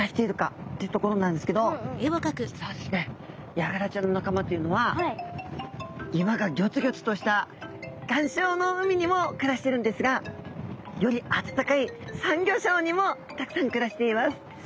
ヤガラちゃんの仲間というのは岩がギョツギョツとした岩礁の海にも暮らしてるんですがより暖かいサンギョ礁にもたくさん暮らしています。